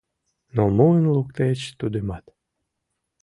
Но муын луктыч тудымат.